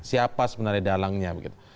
siapa sebenarnya dalangnya begitu